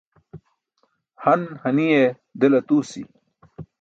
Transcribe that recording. Han haniye del aṭuusi.